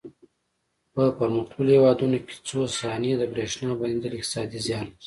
په پرمختللو هېوادونو کې څو ثانیې د برېښنا بندېدل اقتصادي زیان لري.